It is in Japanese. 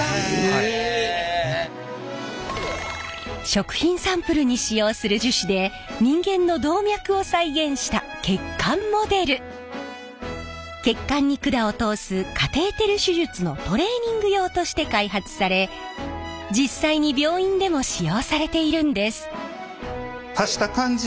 食品サンプルに使用する血管に管を通すカテーテル手術のトレーニング用として開発され実際に病院でも使用されているんです。